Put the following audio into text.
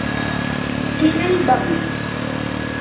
قيل للبغل